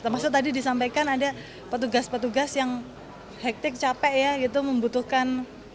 maksudnya tadi disampaikan ada petugas petugas yang hektik capek membutuhkan